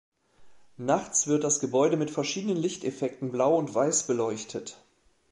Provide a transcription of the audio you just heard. Nachts wird das Gebäude mit verschiedenen Lichteffekten blau und weiß beleuchtet.